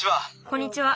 こんにちは。